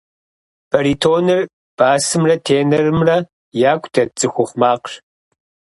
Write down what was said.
Баритоныр басымрэ тенорымрэ яку дэт цӏыхухъу макъщ.